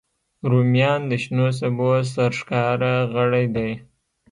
رومیان د شنو سبو سرښکاره غړی دی